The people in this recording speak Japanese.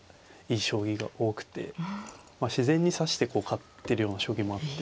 自然に指して勝ってるような将棋もあって。